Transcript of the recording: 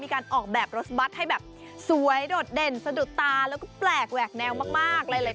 การออกแบบรถบัตรให้แบบสวยโดดเด่นสะดุดตาแล้วก็แปลกแหวกแนวมากหลาย